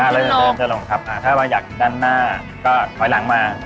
อ่าเรื่อยเรื่อยจะลงครับอ่าถ้าว่าอยากด้านหน้าก็ถอยหลังมา